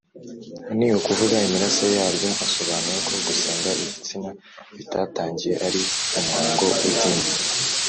ni ukuvuga imirase yaryo asobanura ko gusenga igitsina bitatangiye ari umuhango w’idini.